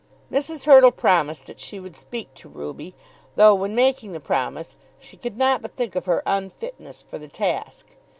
Mrs. Hurtle promised that she would speak to Ruby, though when making the promise she could not but think of her unfitness for the task.